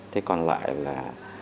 thế còn lại là